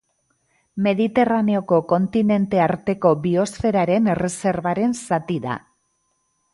Mediterraneoko Kontinentearteko Biosferaren Erreserbaren zati da.